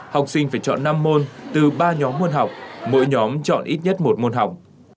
học sinh phải chọn năm môn từ ba nhóm môn học mỗi nhóm chọn ít nhất một môn học